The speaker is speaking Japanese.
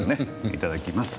いただきます。